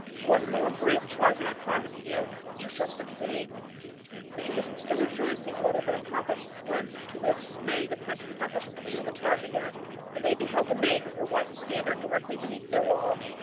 One more brave charge and I promise you shall succeed." The English were still rejoicing at what they had accomplished when to their dismay the French trumpets blew the charge again and they beheld the Maid with her white standard directly beneath their walls.